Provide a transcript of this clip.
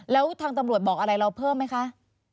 แล้วทางตำรวจบอกอะไรเราเพิ่มไหมคะ